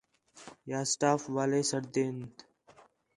یا سٹاف والے سڈینات